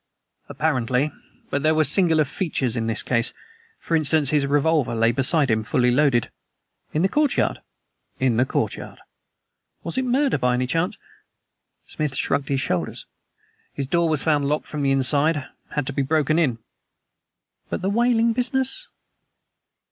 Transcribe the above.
"Apparently. But there were singular features in the case. For instance, his revolver lay beside him, fully loaded!" "In the courtyard?" "In the courtyard!" "Was it murder by any chance?" Smith shrugged his shoulders. "His door was found locked from the inside; had to be broken in." "But the wailing business?"